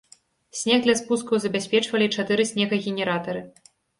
Снег для спускаў забяспечвалі чатыры снегагенератары.